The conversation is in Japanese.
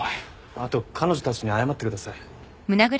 あと彼女たちに謝ってください。